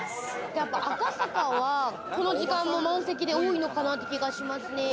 やっぱ赤坂はこの時間も満席で多いのかなって気がしますね。